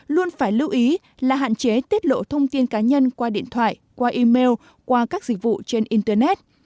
luôn phải lưu ý là hạn chế tiết lộ thông tin cá nhân qua điện thoại qua email qua các dịch vụ trên internet